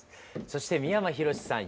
そして三山ひろしさん